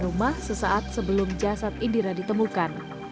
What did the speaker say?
rumah sesaat sebelum jasad indira ditemukan